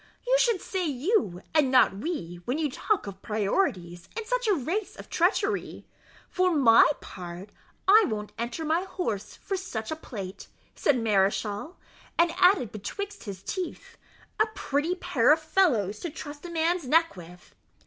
"You should say you, and not we, when you talk of priorities in such a race of treachery; for my part, I won't enter my horse for such a plate," said Mareschal; and added betwixit his teeth, "A pretty pair of fellows to trust a man's neck with!"